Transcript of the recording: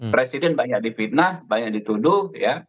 presiden banyak difitnah banyak dituduh ya